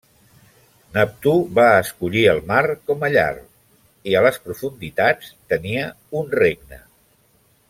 Neptú va escollir el mar com a llar i a les profunditats tenia un regne.